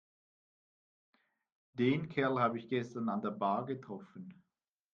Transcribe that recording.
Den Kerl habe ich gestern an der Bar getroffen.